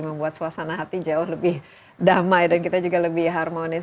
membuat suasana hati jauh lebih damai dan kita juga lebih harmonis